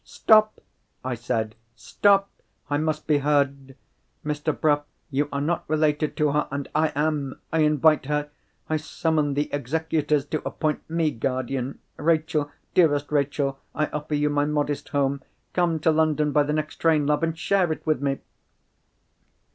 "Stop!" I said—"stop! I must be heard. Mr. Bruff! you are not related to her, and I am. I invite her—I summon the executors to appoint me guardian. Rachel, dearest Rachel, I offer you my modest home; come to London by the next train, love, and share it with me!"